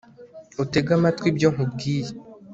utege amatwi ibyo nkubwiye